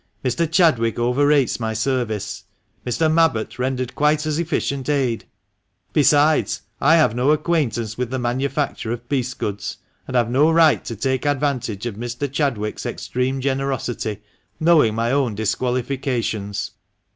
Mr. Chadwick overrates my service ; Mr. Mabbott rendered quite as efficient aid ; besides, I have no acquaintance with the manufacture of piece goods, and have no right to take advantage of Mr. Chadwick's extreme generosity, knowing my own disqualifications.